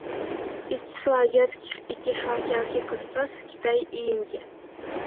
Из числа азиатских и тихоокеанских государств — Китай и Индия.